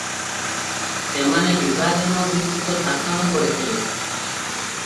ସେମାନେ ବିଭାଜନଭିତ୍ତିକ ଶାସନ କରିଥିଲେ ।